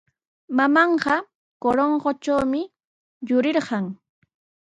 Mamaaqa Corongotrawmi yurirqan.